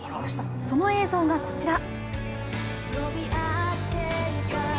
その映像がこちら。